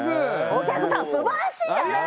お客さんすばらしいね。